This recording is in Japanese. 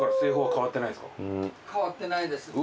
変わってないです。